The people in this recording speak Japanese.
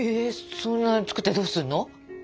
そんなに作ってどうすんの？